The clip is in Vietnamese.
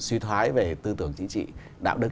suy thoái về tư tưởng chính trị đạo đức